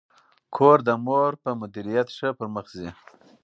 کور د مور په مدیریت ښه پرمخ ځي.